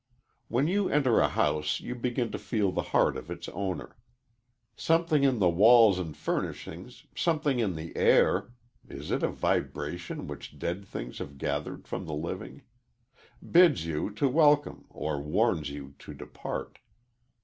When you enter a house you begin to feel the heart of its owner. Something in the walls and furnishings, something in the air is it a vibration which dead things have gathered from the living? bids you welcome or warns you to depart.